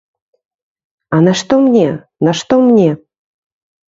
А нашто мне, нашто мне?